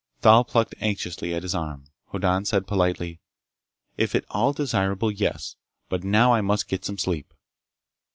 Thal plucked anxiously at his arm. Hoddan said politely: "If at all desirable, yes. But now I must get some sleep."